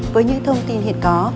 với những thông tin hiện có